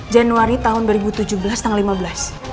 januari tahun dua ribu tujuh belas tanggal lima belas